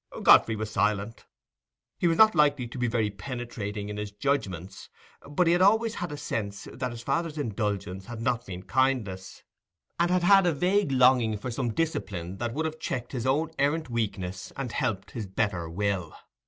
Godfrey was silent. He was not likely to be very penetrating in his judgments, but he had always had a sense that his father's indulgence had not been kindness, and had had a vague longing for some discipline that would have checked his own errant weakness and helped his better will.